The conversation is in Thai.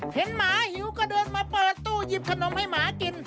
หมาหิวก็เดินมาเปิดตู้หยิบขนมให้หมากิน